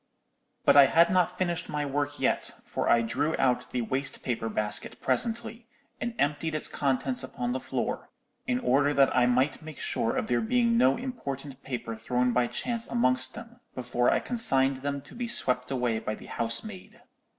"But I had not finished my work yet; for I drew out the waste paper basket presently, and emptied its contents upon the floor, in order that I might make sure of there being no important paper thrown by chance amongst them, before I consigned them to be swept away by the housemaid.